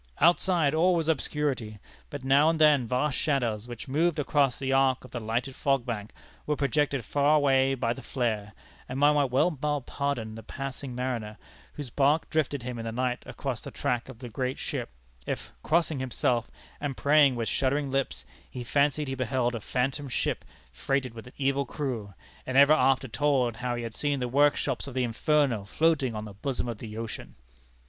Outside all was obscurity, but now and then vast shadows, which moved across the arc of the lighted fog bank, were projected far away by the flare; and one might well pardon the passing mariner, whose bark drifted him in the night across the track of the great ship, if, crossing himself, and praying with shuddering lips, he fancied he beheld a phantom ship freighted with an evil crew, and ever after told how he had seen the workshops of the Inferno floating on the bosom of the ocean."